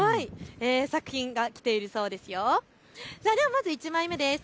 まず１枚目です。